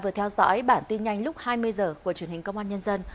vừa theo dõi bản tin nhanh lúc hai mươi h của truyền hình công an nhân dân